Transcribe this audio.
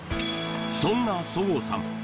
そんな十河さん